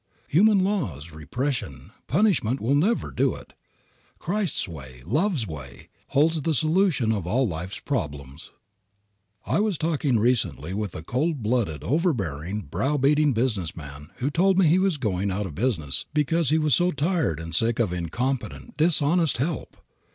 Human laws, repression, punishment will never do it. Christ's way, Love's way, holds the solution of all life's problems. I was talking recently with a cold blooded, overbearing, brow beating business man who told me he was going out of business because he was so tired and sick of incompetent, dishonest help.